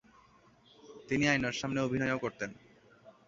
তিনি আয়নার সামনে অভিনয়ও করতেন।